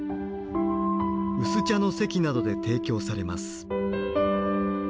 薄茶の席などで提供されます。